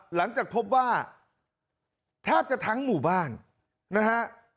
หลังจากพบว่าแทบจะทั้งหมู่บ้านนะฮะ